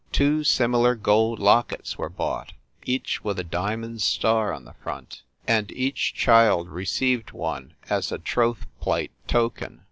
Two similar gold lockets were bought, each with a diamond star on the front, and each child received one as a troth plight token.